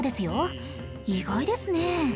意外ですね